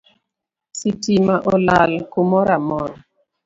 Sitima olal kumoramora